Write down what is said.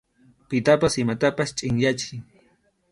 Pitapas imatapas chʼinyachiy.